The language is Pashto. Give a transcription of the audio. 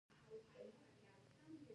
رحمت الله مبین